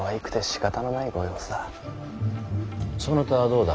そなたはどうだ？